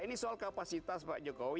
ini soal kapasitas pak jokowi